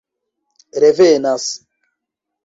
revenas